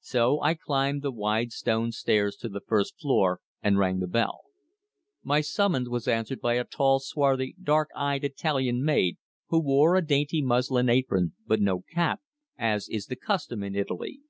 So I climbed the wide stone stairs to the first floor, and rang the bell. My summons was answered by a tall, swarthy, dark eyed Italian maid, who wore a dainty muslin apron, but no cap as is the custom in Italy.